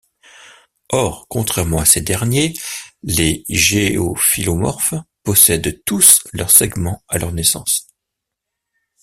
Or, contrairement à ces derniers, les géophilomorphes possèdent tous leurs segments à leur naissance.